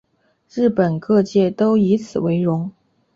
日本各界都以此为荣。